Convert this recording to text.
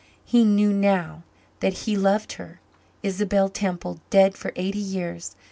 He knew now that he loved her Isabel Temple, dead for eighty years.